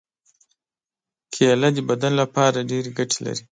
کېله د بدن لپاره ډېرې ګټې لري.